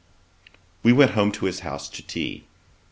We went home to his house to tea.